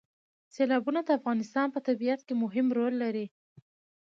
سیلابونه د افغانستان په طبیعت کې مهم رول لري.